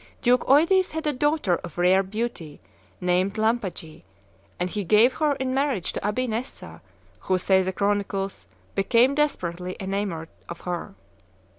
Duke Eudes had a daughter of rare beauty, named Lampagie, and he gave her in marriage to Abi Nessa, who, say the chronicles, became desperately enamoured of her.